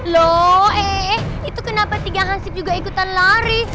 loh eh itu kenapa tiga hansip juga ikutan lari